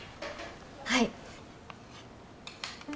はい。